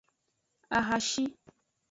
Ahashi.